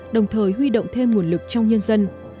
đồng thời huy động thêm nguồn lực trong nhân dân